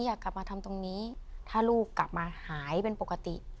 อยากกลับมาทำตรงนี้ถ้าลูกกลับมาหายเป็นปกติ